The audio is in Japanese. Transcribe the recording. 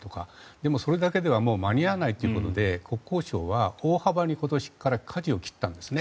でもそれだけではもう間に合わないということで国交省は今年から大幅にかじを切ったんですね。